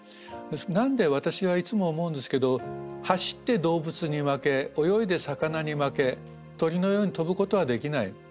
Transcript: なんで私はいつも思うんですけど走って動物に負け泳いで魚に負け鳥のように飛ぶことはできない。